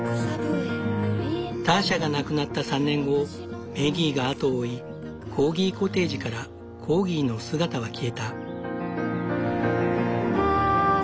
ターシャが亡くなった３年後メギーが後を追いコーギコテージからコーギーの姿は消えた。